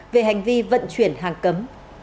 về hành vi vận chuyển hàng cấm